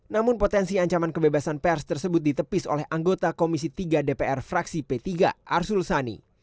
namun potensi ancaman kebebasan pers tersebut ditepis oleh anggota komisi tiga dpr fraksi p tiga arsul sani